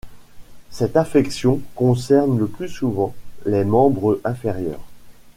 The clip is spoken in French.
Cette affection concerne le plus souvent les membres inférieurs.